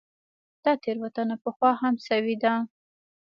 دا تېروتنه پخوا هم شوې ده.